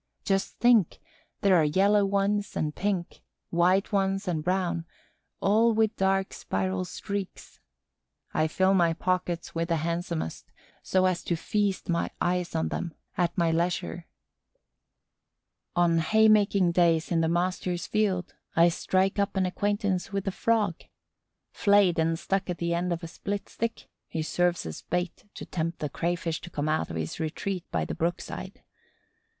Just think, there are yellow ones and pink, white ones and brown, all with dark spiral streaks. I fill my pockets with the handsomest, so as to feast my eyes on them at my leisure. On hay making days in the master's field, I strike up an acquaintance with the Frog. Flayed and stuck at the end of a split stick, he serves as bait to tempt the Crayfish to come out of his retreat by the brook side.